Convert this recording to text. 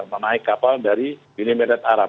memaik kapal dari unimarat arab